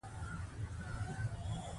دا د فعالیتونو بررسي او رهنمایي کوي.